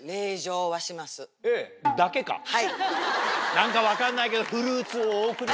何か分かんないけど。